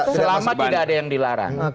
selama tidak ada yang dilarang